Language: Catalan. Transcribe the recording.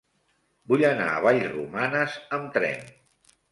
Vull anar a Vallromanes amb tren.